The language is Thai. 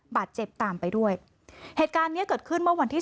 บาดเจ็บตามไปด้วยเหตุการณ์เนี้ยเกิดขึ้นเมื่อวันที่